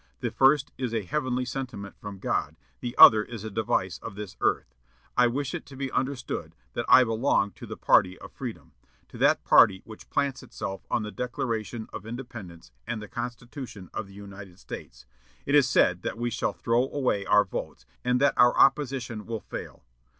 The first is a heavenly sentiment from God; the other is a device of this earth.... I wish it to be understood that I belong to the party of freedom, to that party which plants itself on the Declaration of Independence and the Constitution of the United States.... It is said that we shall throw away our votes, and that our opposition will fail.